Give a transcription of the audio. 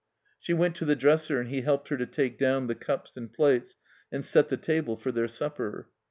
She went to the dresser, and he helped her to take down the cups and plates and set the table for their supper.